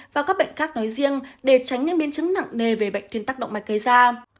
và các bệnh khác nói riêng để tránh những biến chứng nặng nề về bệnh tuyên tóc động mạch gây ra